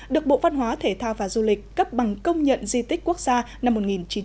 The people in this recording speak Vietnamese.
được bộ văn hóa thể thao và du lịch cấp bằng công nhận di tích quốc gia năm một nghìn chín trăm bảy mươi